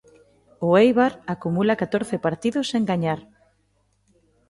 O Éibar acumula catorce partidos sen gañar.